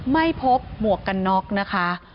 ไม่พบหมวกกันน็อกนะคะ